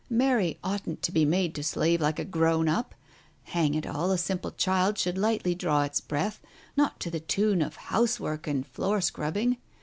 Mary oughtn't to be made to slave like a grown up. Hang it all, a simple child should lightly draw its breath, not to the tune of housework and floorscrubbing.